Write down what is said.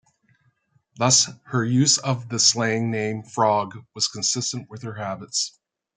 Thus, her use of the slang name "frog" was consistent with her habits.